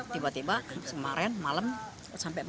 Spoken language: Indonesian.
tiba tiba semaren malam sampai malam